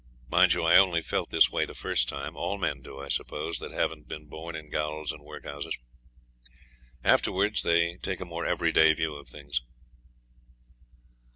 Mind you, I only felt this way the first time. All men do, I suppose, that haven't been born in gaols and workhouses. Afterwards they take a more everyday view of things.